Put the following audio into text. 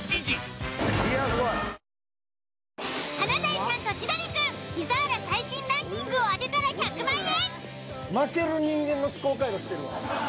「華大さんと千鳥くん」ピザーラ最新ランキングを当てたら１００万円！